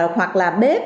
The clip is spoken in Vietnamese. hoặc là bếp